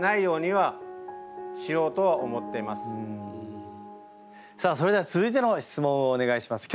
だからさあそれでは続いての質問をお願いします。